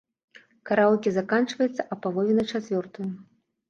Караоке заканчваецца а палове на чацвёртую.